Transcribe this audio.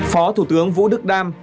phó thủ tướng vũ đức đam